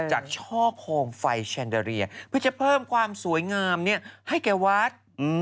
ช่อโคมไฟแชนเดอเรียเพื่อจะเพิ่มความสวยงามให้แก่วัด